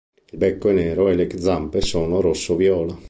Il becco è nero e le zampe sono rosso-viola.